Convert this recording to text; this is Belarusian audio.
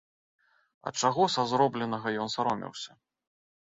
А чаго са зробленага ён саромеўся?